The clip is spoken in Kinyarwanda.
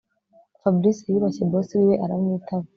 Fabric yubashye boss wiwe aramwitaba